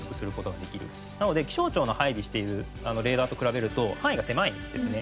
なので気象庁の配備しているレーダーと比べると範囲が狭いんですね。